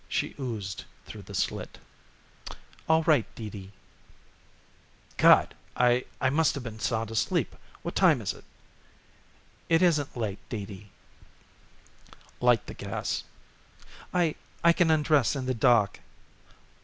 She oozed through the slit. "All right, Dee Dee." "God! I I must have been sound asleep. What time is it?" "It isn't late, Dee Dee." "Light the gas." "I I can undress in the dark."